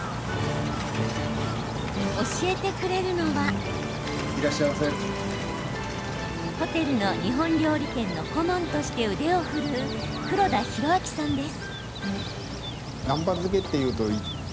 教えてくれるのはホテルの日本料理店の顧問として腕を振るう黒田廣昭さんです。